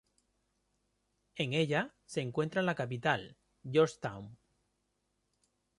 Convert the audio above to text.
En ella se encuentra la capital, George Town.